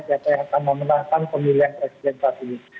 siapa yang akan memenangkan pemilihan presiden saat ini